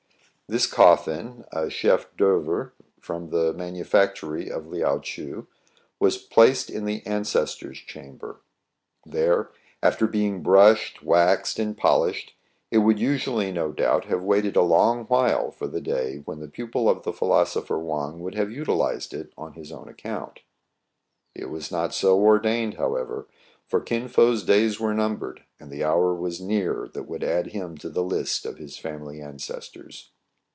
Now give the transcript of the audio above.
This coffin — a chef d^ œuvre from the manufac tory of Liao Tcheou — was placed in the "ances tors* chamber," There, after being brushed, waxed, and polished, it would usually, no doubt, have waited a long while for the day when the pupil of the philosopher Wang would have utilized it on his own account. It was not so ordained, however; for Kin Fo*s days were numbered, and the hour was near that would add him to the list of his family ancestors.